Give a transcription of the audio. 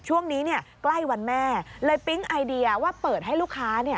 ช่วงนี้ใกล้วันแม่เลยปิ๊งไอเดียว่าเปิดให้ลูกค้า